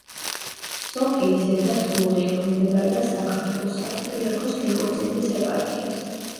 სოფელი ზედა თლუღი ექვემდებარება საქართველოს საპატრიარქოს ნიკორწმინდის ეპარქიას.